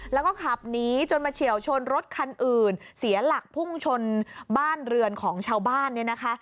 แล้วก็ขับหนีจนมาเฉียวชนรถคันอื่นเสียหลักพุ่งชนบ้านเรือนของชาวบ้านเนี่ยนะคะ